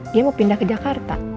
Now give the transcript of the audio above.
dia mau pindah ke jakarta